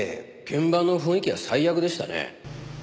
現場の雰囲気は最悪でしたね。